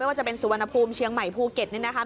ว่าจะเป็นสุวรรณภูมิเชียงใหม่ภูเก็ตนี่นะคะ